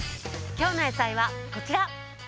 今日の野菜はこちら。